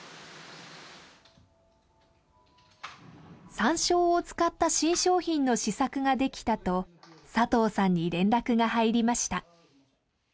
サンショウを使った新商品の試作ができたと佐藤さんに連絡が入りました。